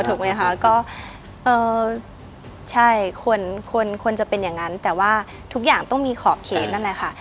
ถูกไหมคะก็ใช่คนควรจะเป็นอย่างนั้นแต่ว่าทุกอย่างต้องมีขอบเขตนั่นแหละค่ะ